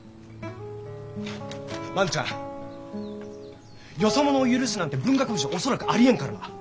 万ちゃんよそ者を許すなんて文学部じゃ恐らくありえんからな。